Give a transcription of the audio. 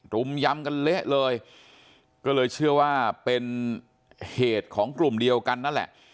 รุมยำกันเละเลยก็เลยเชื่อว่าเป็นเหตุของกลุ่มเดียวกันนั่นแหละ